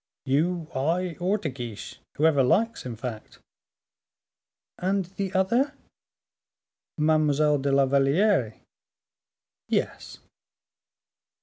"You, I, or De Guiche, whoever likes, in fact." "And the other?" "Mademoiselle de la Valliere?" "Yes."